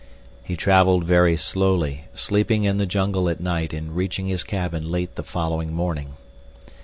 He traveled very slowly, sleeping in the jungle at night, and reaching his cabin late the following morning.